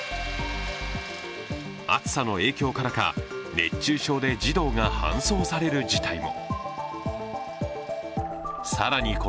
暑さの影響からか熱中症で児童が搬送される事態も。